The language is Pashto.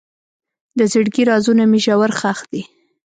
د زړګي رازونه مې ژور ښخ دي.